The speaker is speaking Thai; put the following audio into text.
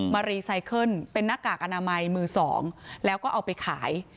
รีไซเคิลเป็นหน้ากากอนามัยมือสองแล้วก็เอาไปขาย